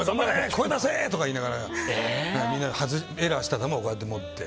声出せ！とか言いながらみんなエラーした球をこうやって持って。